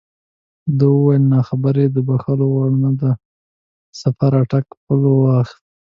ده وویل دا ناخبري د بښلو وړ نه ده او سفیر اټک پُل واوښت.